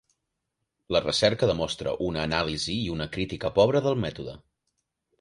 La recerca demostra una anàlisi i una crítica pobra del mètode.